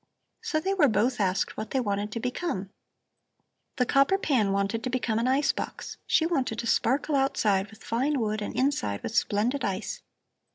So they were both asked what they wanted to become. The copper pan wanted to become an ice box; she wanted to sparkle outside with fine wood and inside with splendid ice.